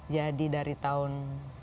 jadi dari tahun